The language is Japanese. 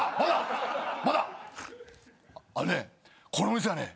あのねこの店はね